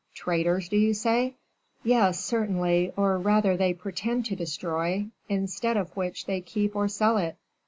"Traitors, do you say?" "Yes, certainly, or rather they pretend to destroy, instead of which they keep or sell it.